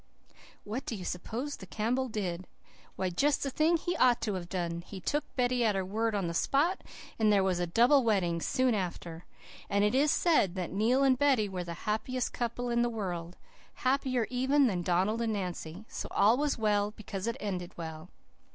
"What do you suppose the Campbell did? Why, just the thing he ought to have done. He took Betty at her word on the spot; and there was a double wedding soon after. And it is said that Neil and Betty were the happiest couple in the world happier even than Donald and Nancy. So all was well because it ended well!"